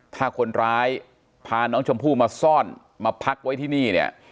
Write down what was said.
ถ้าคนร้ายพาน้องชมพู่มาซ่อนมาพักไว้ที่นี่เนี่ย